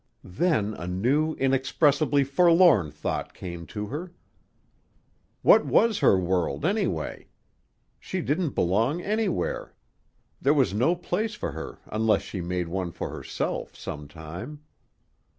Then a new, inexpressibly forlorn thought came to her; what was her world, anyway? She didn't belong anywhere; there was no place for her unless she made one for herself, some time.